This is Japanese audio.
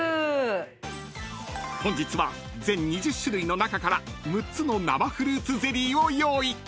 ［本日は全２０種類の中から６つの生フルーツゼリーを用意］